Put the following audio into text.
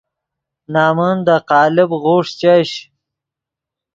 نَمن دے قالب غوݰ چش